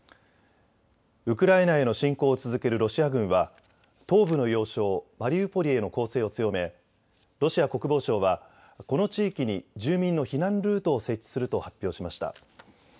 ウクライナへの侵攻を続けるロシア軍は東部の要衝マリウポリへの攻勢を強めロシア国防省はこの地域に住民の避難ルートを設置すると発表しました。